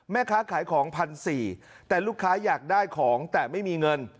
แม่ค้าขายของ๑๔๐๐บาทแต่ลูกค้าอยากได้ของแต่ไม่มีเงิน